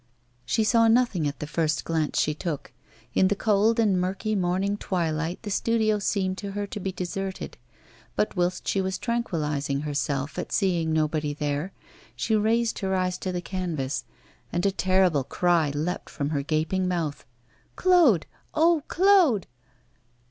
She saw nothing at the first glance she took; in the cold and murky morning twilight the studio seemed to her to be deserted. But whilst she was tranquillising herself at seeing nobody there, she raised her eyes to the canvas, and a terrible cry leapt from her gaping mouth: 'Claude! oh, Claude!